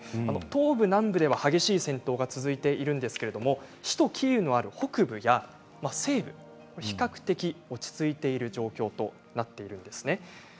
東部、南部では激しい戦闘が続いているんですが首都キーウのある北部や西部は比較的落ち着いている状況となっているんです。